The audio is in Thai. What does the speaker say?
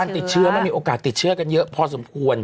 ติดเชื้อมันมีโอกาสติดเชื้อกันเยอะพอสมควร